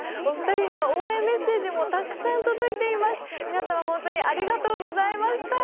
お二人には応援メッセージもたくさん届いています。